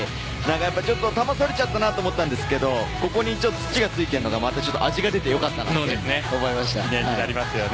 ちょっと球がそれちゃったなと思ったんですが土がついているのが味が出てよかったと思います。